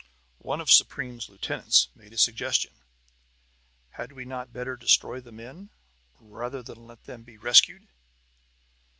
One of Supreme's lieutenants made a suggestion: "Had we not better destroy the men, rather than let them be rescued?"